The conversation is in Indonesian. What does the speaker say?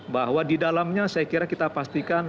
bahwa di dalamnya saya kira kita pastikan